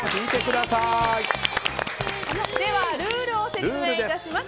ルールを説明いたします。